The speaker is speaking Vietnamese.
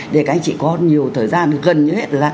để các anh chị có nhiều thời gian gần như hết là